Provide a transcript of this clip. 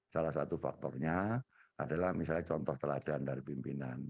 salah satu faktornya adalah misalnya contoh teladan dari pimpinan